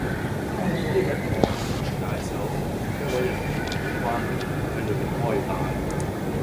一日我去解手,見一位仁兄冇關門系裏面開大